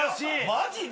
マジで？